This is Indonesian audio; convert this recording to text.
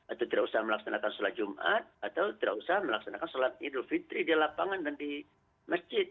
atau tidak usah melaksanakan sholat jumat atau tidak usah melaksanakan sholat idul fitri di lapangan dan di masjid